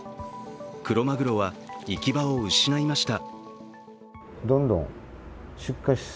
クロマグロは行き場を失いました。